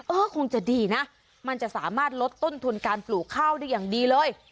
คงจะดีนะมันจะสามารถลดต้นทุนการปลูกข้าวได้อย่างดีเลย